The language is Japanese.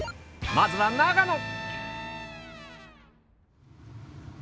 まずは長野。